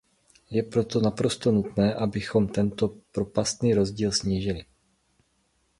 Je proto naprosto nutné, abychom tento propastný rozdíl snížili.